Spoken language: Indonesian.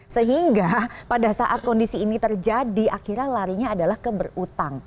sehingga pada saat kondisi ini terjadi akhirnya larinya adalah ke berutang